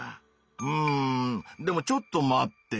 うんでもちょっと待って。